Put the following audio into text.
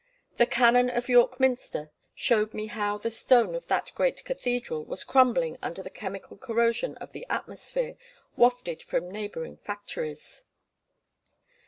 The Canon of York Minster showed me how the stone of that great cathedral was crumbling under the chemical corrosion of the atmosphere, wafted from neighbouring factories.